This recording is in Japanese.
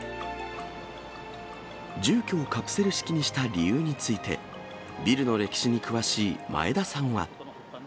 住居をカプセル式にした理由について、ビルの歴史に詳しい前田さんは。